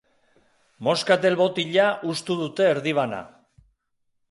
Moskatel botila hustu dute erdi bana.